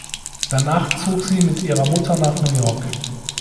Danach zog sie mit ihrer Mutter nach New York.